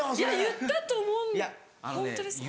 言ったと思うホントですか？